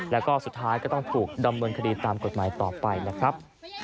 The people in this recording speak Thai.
แล้วก็สุดท้ายก็ต้องถูกดำเนินคดีตามกฎหมายต่อไปนะครับ